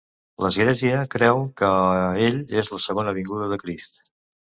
L'església creu que ell és la segona vinguda de Crist.